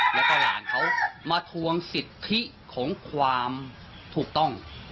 แล้วก็หลานเขามาทวงสิทธิของความถูกต้อง